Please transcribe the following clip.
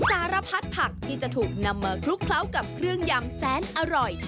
สารพัดผักที่จะถูกนำมาคลุกเคล้ากับเครื่องยำแสนอร่อย